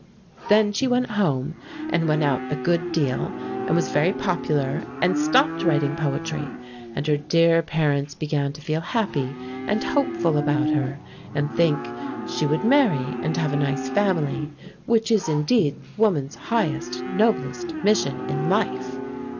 Then she went home and went out a good deal, and was very popular and stopped writing poetry, and her dear parents began to feel happy and hopeful about her, and think she would marry and have a nice family, which is indeed woman's highest, noblest mission in life.